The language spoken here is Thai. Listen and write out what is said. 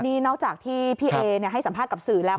นี่นอกจากที่พี่เอให้สัมภาษณ์กับสื่อแล้ว